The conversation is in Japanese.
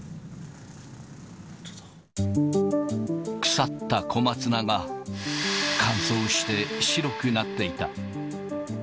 腐った小松菜が乾燥して白くなっていた。